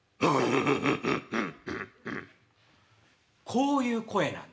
こういう声なんです。